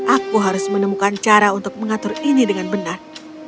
aku harus menemukan cara untuk mengatur ini dengan benar